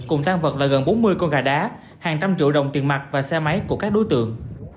cùng tan vật là gần bốn mươi con gà đá hàng trăm triệu đồng tiền mặt và xe máy của các đối tượng